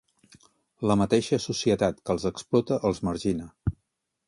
La mateixa societat que els explota, els margina.